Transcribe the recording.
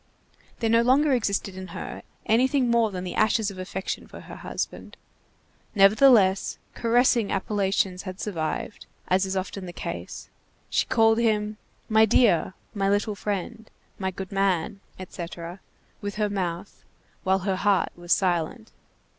There no longer existed in her anything more than the ashes of affection for her husband. Nevertheless, caressing appellations had survived, as is often the case. She called him: My dear, my little friend, my good man, etc., with her mouth while her heart was silent.